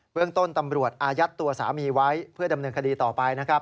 เรื่องต้นตำรวจอายัดตัวสามีไว้เพื่อดำเนินคดีต่อไปนะครับ